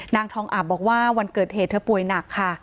นางทองอาบบอกว่าวันเกิดเหตุเธอป่วยหนักค่ะ